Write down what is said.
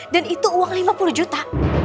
dan itu uang lima puluh juta